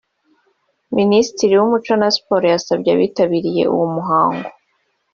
Minisitiri w’umuco na siporo yasabye abitabiriye uwo muhango